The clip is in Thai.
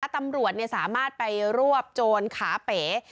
ตำรวจสามารถไปรวบโจรขาเป๋